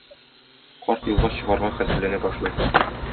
Карт юлга чыгарга хәзерләнә башлый.